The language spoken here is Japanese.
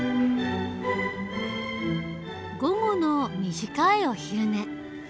午後の短いお昼寝。